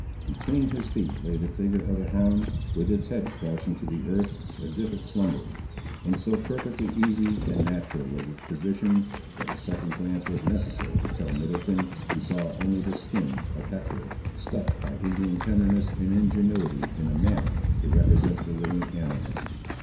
Between his feet lay the figure of a hound, with its head crouching to the earth as if it slumbered; and so perfectly easy and natural was its position, that a second glance was necessary to tell Middleton, he saw only the skin of Hector, stuffed by Indian tenderness and ingenuity in a manner to represent the living animal.